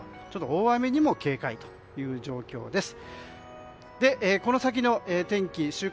大雨にも警戒という状況です。